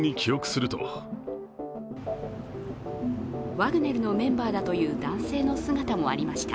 ワグネルのメンバーだという男性の姿もありました。